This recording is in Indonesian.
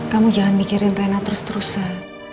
kamu jangan mikirin rena terus terus ya